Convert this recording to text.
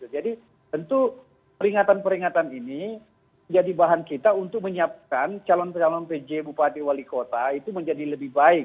tentu peringatan peringatan ini jadi bahan kita untuk menyiapkan calon calon pj bupati wali kota itu menjadi lebih baik